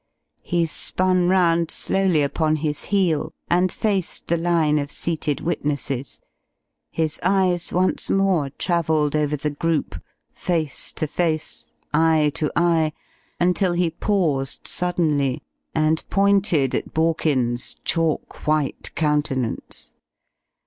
He spun round slowly upon his heel and faced the line of seated witnesses. His eyes once more travelled over the group, face to face, eye to eye, until he paused suddenly and pointed at Borkins's chalk white countenance.